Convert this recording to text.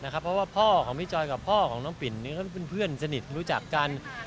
เพราะว่าพ่อของพี่จอยกับพ่อของน้องปิ่นเขาเป็นเพื่อนสนิทรู้จักกัน